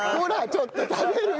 ちょっと食べるよ！